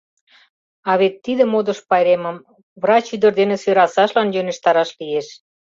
А вет тиде модыш пайремым врач ӱдыр дене сӧрасашлан йӧнештараш лиеш?